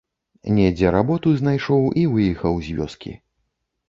Недзе работу знайшоў і выехаў з вёскі.